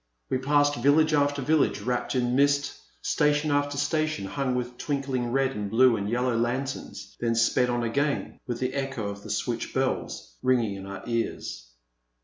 We passed vil lage after village wrapped in mist, station after station hung with twinkling red and blue and yellow lanterns, then sped on again with the echo of the switch bells ringing in our ears.